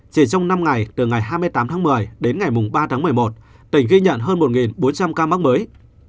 chỉ trong năm ngày từ ngày hai mươi tám tháng một mươi đến ngày ba tháng một mươi một tỉnh ghi nhận hơn một bốn trăm linh ca mắc mới